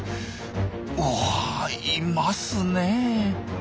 うわいますねえ。